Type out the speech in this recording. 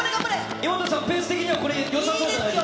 イモトさん、ペース的にはよさそうじゃないですか。